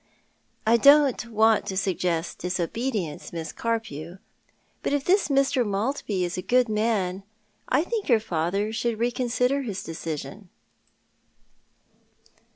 " I don't want to suggest disobedience. Miss Carpew, but if this Mr. Maltby is a good young man, I think your father should reconsider his decision." 234 Thoti art the Man.